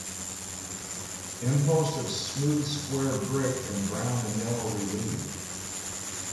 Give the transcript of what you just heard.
Impost of smooth square brick and brown and yellow relieve.